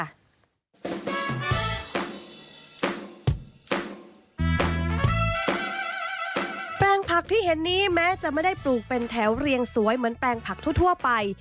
แปลงผักที่เห็นนี้แม้จะไม่ได้ปลูกเป็นแถวเรียงสวยเหมือนแปลงผักทั่วไป